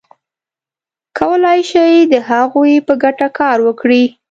کولای شي د هغوی په ګټه کار وکړي.